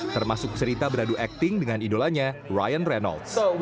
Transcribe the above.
termasuk cerita beradu acting dengan idolanya ryan reynolds